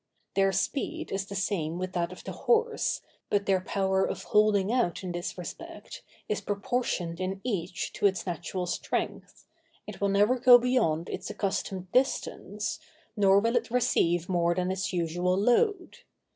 Their speed is the same with that of the horse, but their power of holding out in this respect is proportioned in each to its natural strength: it will never go beyond its accustomed distance, nor will it receive more than its usual load.